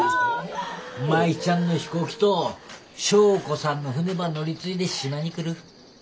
舞ちゃんの飛行機と祥子さんの船ば乗り継いで島に来る。